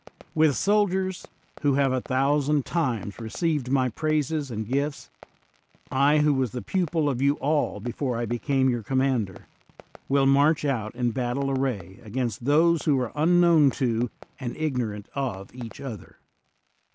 11 THE WORLD'S FAMOUS ORATIONS thousand times received my praises and gifts, I, who was the pupil of you all before I became your commander, will march out in battle array against those who are unknown to and ignorant of each other.